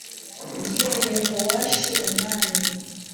Rye yehowashi umwami